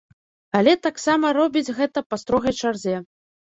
Але таксама робіць гэта па строгай чарзе.